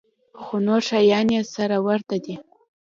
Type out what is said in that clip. خو نور شيان يې سره ورته دي.